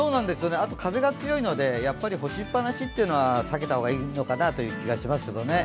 風が強いので、干しっぱなしというのは避けた方がいいのかなという気がしますけどね。